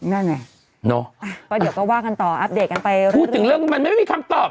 นั่นเนี่ยพอเดี๋ยวก็ว่ากันต่ออัพเดทกันไปเรื่อยพูดถึงเรื่องมันไม่มีคำตอบ